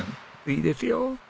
いいですよ。